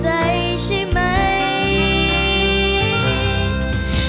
ให้เธอคิดเอาเองว่าชีวิตของเธอเป็นของใคร